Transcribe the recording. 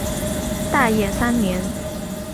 大业三年。